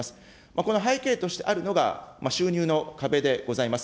この背景としてあるのが、収入の壁でございます。